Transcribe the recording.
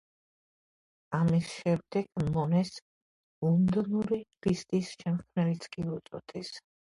ამის შემდეგ მონეს „ლონდონური ნისლის შემქმნელიც“ კი უწოდეს.